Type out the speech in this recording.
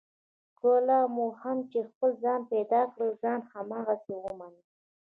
کله مو هم چې خپل ځان پیدا کړ، ځان هماغسې ومنئ.